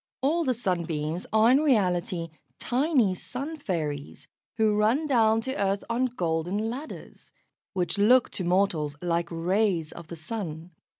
All the Sunbeams are in reality tiny Sun fairies, who run down to earth on golden ladders, which look to mortals like rays of the Sun.